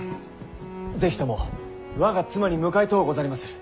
是非とも我が妻に迎えとうござりまする。